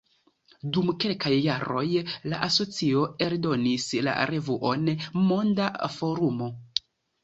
Dum kelkaj jaroj la asocio eldonis la revuon „Monda Forumo“.